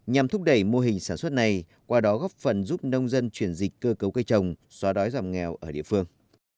nhằm thúc đẩy mô hình sản xuất này qua đó góp phần giúp nông dân chuyển dịch cơ cấu cây trồng xóa đói giảm nghèo ở địa phương